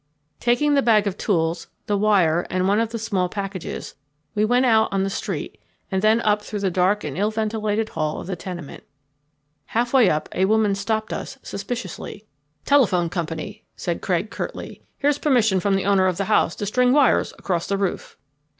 Taking the bag of tools, the wire, and one of the small packages, we went out on the street and then up through the dark and ill ventilated hall of the tenement. Half way up a woman stopped us suspiciously. "Telephone company," said Craig curtly. "Here's permission from the owner of the house to string wires across the roof."